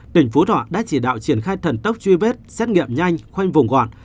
tỉnh phú thọ đã chỉ đạo triển khai thần tốc truy vết xét nghiệm nhanh khoanh vùng gọn